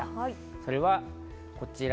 それはこちら。